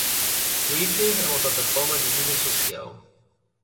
Twitter é uma plataforma de mídia social.